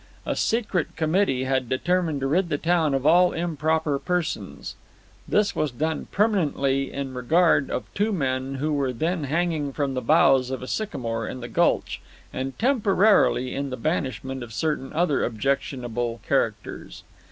A secret committee had determined to rid the town of all improper persons. This was done permanently in regard of two men who were then hanging from the boughs of a sycamore in the gulch, and temporarily in the banishment of certain other objectionable characters.